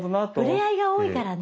触れ合いが多いからね。